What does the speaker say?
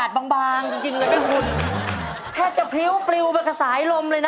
ใส่เต็มเลย